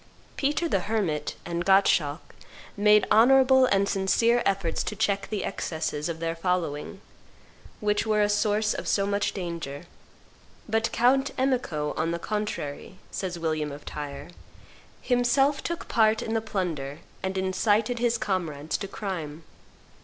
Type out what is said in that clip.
Peter the Hermit and Gottschalk made honorable and sincere efforts to check the excesses of their following, which were a source of so much danger; but Count Emico, on the contrary, says William of Tyre, "himself took part in the plunder, and incited his comrades to crime."